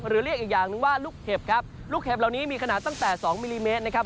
เรียกอีกอย่างนึงว่าลูกเห็บครับลูกเห็บเหล่านี้มีขนาดตั้งแต่สองมิลลิเมตรนะครับ